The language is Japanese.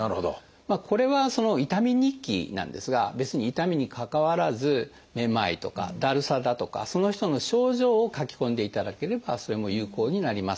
これは「痛み日記」なんですが別に痛みにかかわらずめまいとかだるさだとかその人の症状を書き込んでいただければそれも有効になります。